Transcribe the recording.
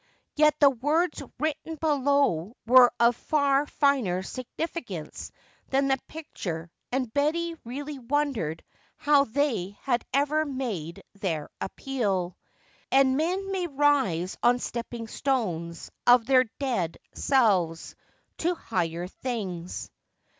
Yet the words written below were of far finer significance than the picture and Betty really wondered how they had ever made their appeal. "And men may rise on stepping stones of their dead selves to higher things."